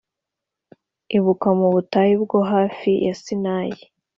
Ibuka mu butayu bwo hafi ya Sinayi